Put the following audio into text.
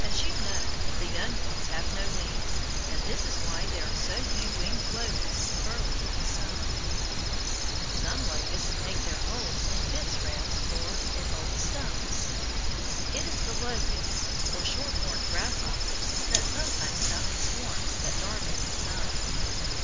As you know, the young ones have no wings, and this is why there are so few winged locusts early in the summer. Some locusts make their holes in fence rails or in old stumps. It is the locusts, or shorthorned grasshoppers, that sometimes come in swarms that darken the sun.